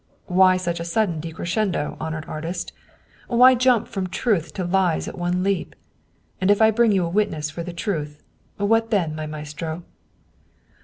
" Why such sudden decrescendo, honored artist ? Why jump from truth to lies at one leap? And if I bring you a witness for the truth what then, my maestro